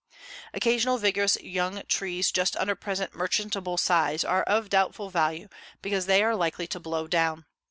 Occasional vigorous young trees just under present merchantable size are of doubtful value because they are likely to blow down.